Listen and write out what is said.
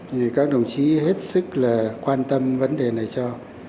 thì các đồng chí hết sức là quan tâm vấn đề này cho